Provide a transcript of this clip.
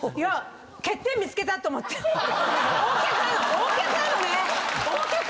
Ｏ脚なのね⁉Ｏ脚。